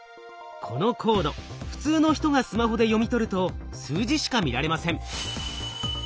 このコード普通の人がスマホで読み取ると数字しか見られません。